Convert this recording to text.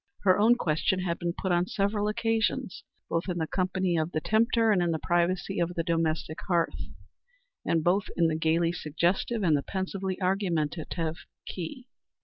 Her own question had been put on several occasions, both in the company of the tempter and in the privacy of the domestic hearth, and both in the gayly suggestive and the pensively argumentative key.